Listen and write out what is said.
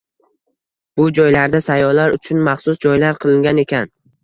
Bu joylarda sayyohlar uchun maxsus joylar qilingan ekan